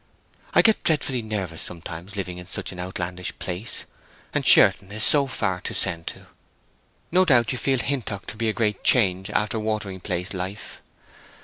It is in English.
I get dreadfully nervous sometimes, living in such an outlandish place; and Sherton is so far to send to. No doubt you feel Hintock to be a great change after watering place life."